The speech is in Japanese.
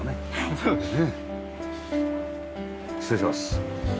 そうですね。